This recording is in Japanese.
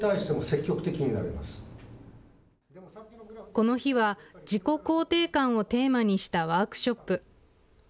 この日は自己肯定感をテーマにしたワークショップ。